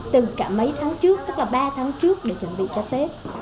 từ cả mấy tháng trước tức là ba tháng trước để chuẩn bị cho tết